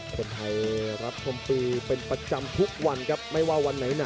คนไทยรับชมปีเป็นประจำทุกวันไม่ว่าวันไหน